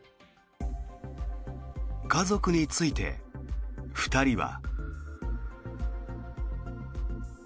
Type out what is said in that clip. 家族について２人は。